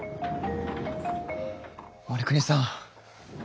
護国さん。